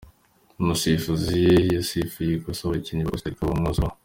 Umusifuzi yasifuye ikosa abakinnyi ba Costa Rica bamwuzuraho .